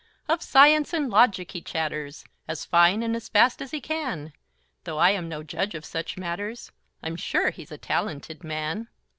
Of science and logic he chatters, As fine and as fast as he can; Though I am no judge of such matters, I'm sure he's a talented man.